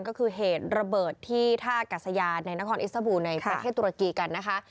ก็คือเหตุระเบิดที่ท่ากัศยานในนครอิสบูลในประเทศตุรกีกันนะคะ